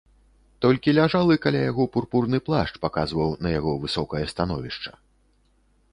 Толькі ляжалы каля яго пурпурны плашч паказваў на яго высокае становішча.